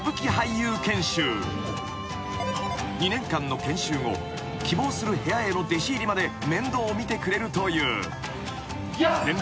［２年間の研修後希望する部屋への弟子入りまで面倒を見てくれるという］